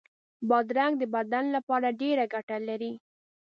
بادرنګ د بدن لپاره ډېره ګټه لري.